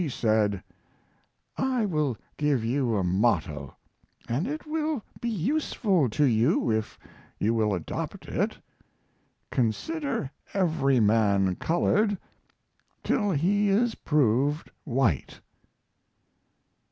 said: "I will give you a motto, and it will be useful to you if you will adopt it: 'Consider every man colored till he is proved white.'"